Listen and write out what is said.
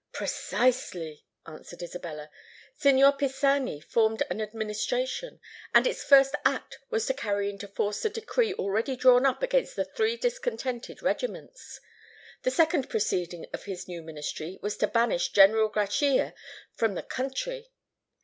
"Precisely," answered Isabella. "Signor Pisani formed an administration; and its first act was to carry into force the decree already drawn up against the three discontented regiments. The second proceeding of the new ministry was to banish General Grachia from the country."